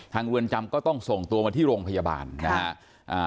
เรือนจำก็ต้องส่งตัวมาที่โรงพยาบาลนะฮะ